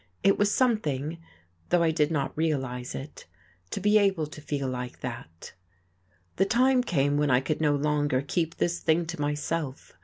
It was something though I did not realize it to be able to feel like that. The time came when I could no longer keep this thing to myself.